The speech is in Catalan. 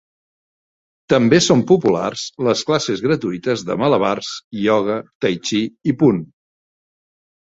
També són populars les classes gratuïtes de malabars, ioga, taitxí i punt.